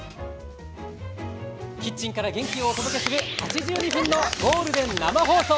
キッチンから元気をお届けする８２分のゴールデン生放送。